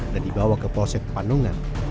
dan dibawa ke polsek panungan